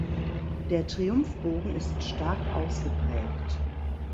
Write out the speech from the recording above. Der Triumphbogen ist stark ausgeprägt.